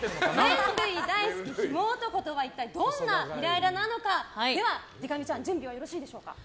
麺類大好きヒモ男とは一体どんなイライラなのかでか美ちゃん、準備はよろしいでしょうか？